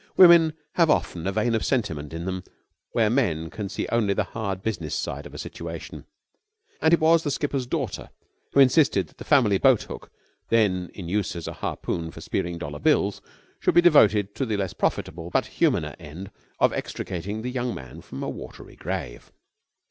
Women have often a vein of sentiment in them where men can only see the hard business side of a situation; and it was the skipper's daughter who insisted that the family boat hook, then in use as a harpoon for spearing dollar bills, should be devoted to the less profitable but humaner end of extricating the young man from a watery grave.